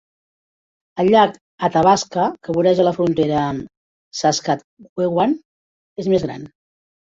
El llac Athabasca, que voreja la frontera amb Saskatchewan, és més gran.